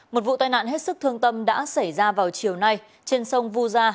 một vụ tai nạn hết sức thương tâm đã xảy ra vào chiều nay trên sông vu gia